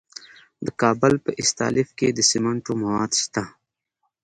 د کابل په استالف کې د سمنټو مواد شته.